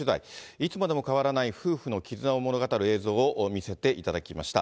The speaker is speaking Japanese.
いつまでも変わらない夫婦の絆を物語る映像を見せていただきました。